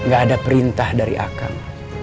gak ada perintah dari akan